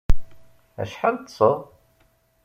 Acḥal ṭṭseɣ?